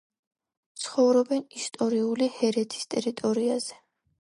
ცხოვრობენ ისტორიული ჰერეთის ტერიტორიაზე.